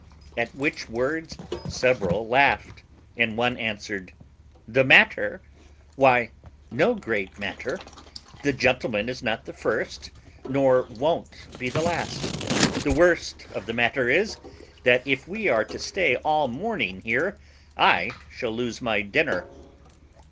At which words several laughed, and one answered, "The matter! Why no great matter. The gentleman is not the first, nor won't be the last: the worst of the matter is, that if we are to stay all the morning here I shall lose my dinner."